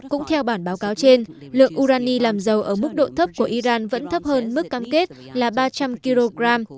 cũng theo bản báo cáo trên lượng urani làm dầu ở mức độ thấp của iran vẫn thấp hơn mức cam kết là ba trăm linh kg